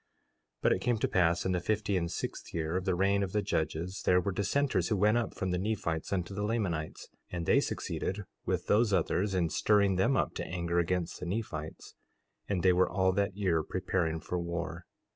4:4 But it came to pass in the fifty and sixth year of the reign of the judges, there were dissenters who went up from the Nephites unto the Lamanites; and they succeeded with those others in stirring them up to anger against the Nephites; and they were all that year preparing for war.